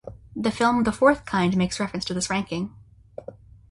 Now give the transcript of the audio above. The film The Fourth Kind makes reference to this ranking.